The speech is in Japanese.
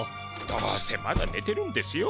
どうせまだねてるんですよ。